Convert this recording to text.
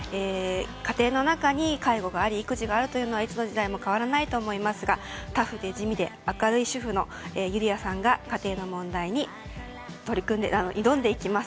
家庭の中に介護があり育児があるというのはいつの時代も変わらないと思いますがタフで地味で明るい主婦のゆりあさんが家庭の問題に挑んでいきます。